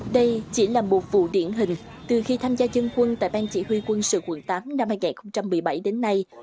đây chỉ là một vụ điển hình từ khi tham gia dân quân tại bang chỉ huy quân sự quận tám năm hai nghìn một mươi bảy đến nay